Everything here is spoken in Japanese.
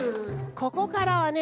ここからはね